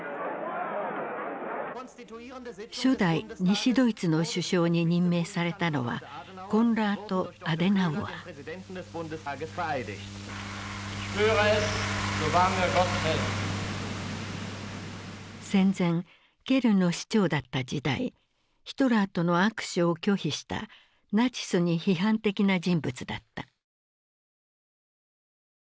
初代西ドイツの首相に任命されたのは戦前ケルンの市長だった時代ヒトラーとの握手を拒否したナチスに批判的な人物だった。